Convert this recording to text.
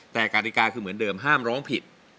แต่กฎิกาคือเหมือนเดิมห้ามร้องผิด